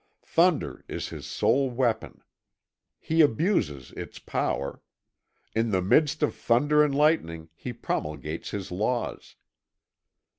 Thunder is his sole weapon. He abuses its power. In the midst of thunder and lightning he promulgates his laws.